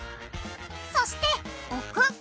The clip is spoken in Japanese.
そして置く！